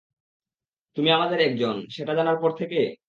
তুমি আমাদেরই একজন, সেটা জানার পর থেকে?